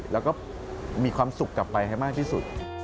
แล้วก็มีความสุขกลับไปให้มากที่สุด